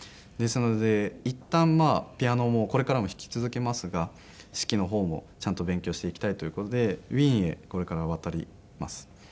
ですのでいったんピアノもこれからも弾き続けますが指揮の方もちゃんと勉強していきたいという事でウィーンへこれから渡ります。